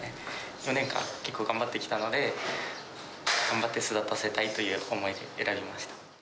４年間、結構頑張ってきたので、頑張って巣立たせたいという思いで選びました。